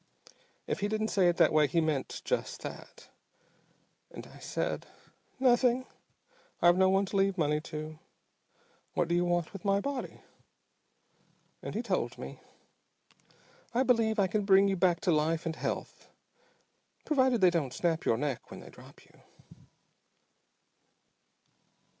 If he didn't say it that way he meant just that. And I said, 'Nothing. I've no one to leave money to. What do you want with my body?' And he told me, 'I believe I can bring you back to life and health, provided they don't snap your neck when they drop you.'